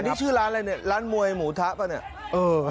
นี่ชื่อร้านอะไรเนี่ยร้านมวยหมูทะป่ะเนี่ย